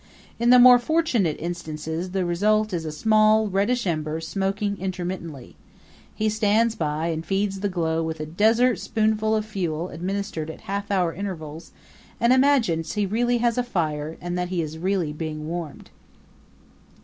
In the more fortunate instances the result is a small, reddish ember smoking intermittently. He stands by and feeds the glow with a dessert spoonful of fuel administered at half hour intervals, and imagines he really has a fire and that he is really being warmed.